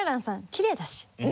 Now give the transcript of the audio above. きれいだし。